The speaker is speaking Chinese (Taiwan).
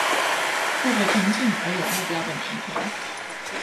過著平靜而有目標的每一天